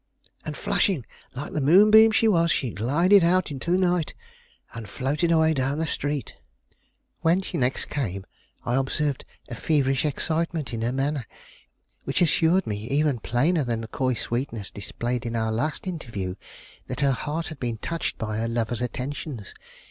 And, flashing like the moonbeam she was, she glided out into the night, and floated away down the street. When she next came, I observed a feverish excitement in her manner, which assured me, even plainer than the coy sweetness displayed in our last interview, that her heart had been touched by her lover's attentions.